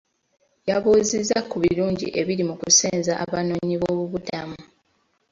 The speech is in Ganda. Yabuuzizza ku birungi ebiri mu kusenza Abanoonyiboobubudamu.